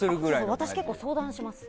私、結構相談します。